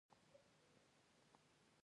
ورسره مې د چا خرهار واورېدل.